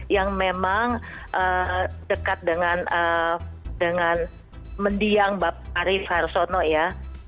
yang memang dekat dengan mendiang arief harsono ya